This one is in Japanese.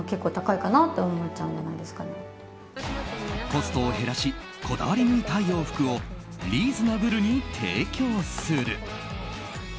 コストを減らしこだわり抜いた洋服をリーズナブルに提供する。